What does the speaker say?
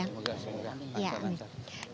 semoga semuanya lancar